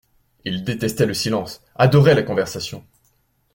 Il détestait le silence, adorait la conversation.